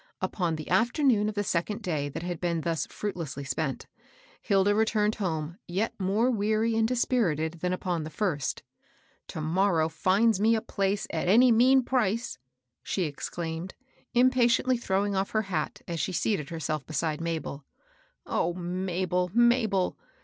Upon the afternoon of the second day that had been thus fruitlessly spent, Hilda returned home yet more weary and dispirited than upon the first. " To morrow finds me a place at any mean price !" she exclaimed, impatiently throwing off her hat, as she seated herself beside Mabel. ^^ O Mabel, Mabel